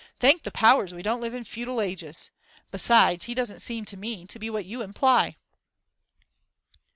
Thank the powers, we don't live in feudal ages. Besides, he doesn't seem to me to be what you imply.